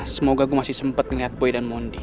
semoga gue masih sempet ngeliat boy dan mondi